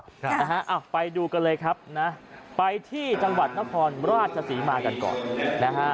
ครับนะฮะอ้าวไปดูกันเลยครับนะไปที่จังหวัดนครราชศรีมากันก่อนนะฮะ